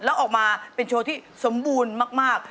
แล้วออกมาเป็นโชว์ที่สมบูรณ์มาก